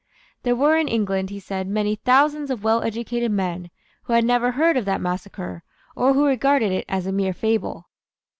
There were in England, he said, many thousands of well educated men who had never heard of that massacre, or who regarded it as a mere fable.